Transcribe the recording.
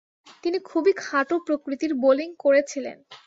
তিনি খুবই খাঁটো প্রকৃতির বোলিং করেছিলেন।